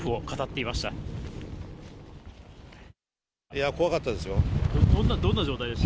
いや、怖かったですよ。